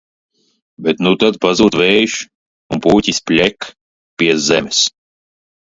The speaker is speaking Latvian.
Bet nu tad pazūd vējš un pūķis pļek – pie zemes.